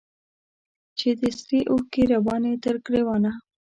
چي دي سرې اوښکي رواني تر ګرېوانه